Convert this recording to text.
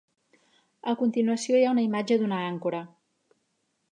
A continuació hi ha una imatge d'una àncora.